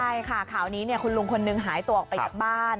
ใช่ค่ะข่าวนี้คุณลุงคนนึงหายตัวออกไปจากบ้าน